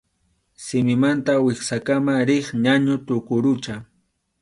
Simimanta wiksakama riq ñañu tuqurucha.